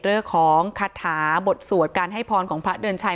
เรื่องของคาถาบทสวดการให้พรของพระเดือนชัย